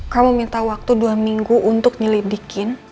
kamu minta waktu dua minggu untuk nyelidikin